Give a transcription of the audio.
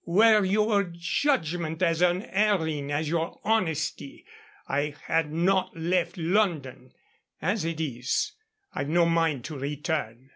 Were your judgment as unerring as your honesty, I had not left London. As it is, I've no mind to return."